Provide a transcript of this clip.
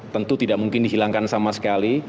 tentu tidak mungkin dihilangkan sama sekali